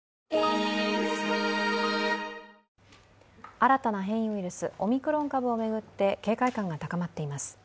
新たな変異ウイルス、オミクロン株を巡って警戒感が高まっています。